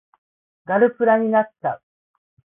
ガルプラになっちゃう